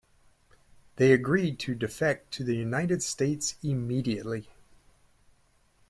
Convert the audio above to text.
They agreed to defect to the United States immediately.